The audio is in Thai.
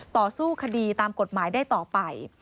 ต่อสู้คดีตามกฎหมายได้ต่อไป